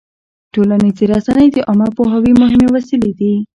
ټولنیزې رسنۍ د عامه پوهاوي مهمې وسیلې دي.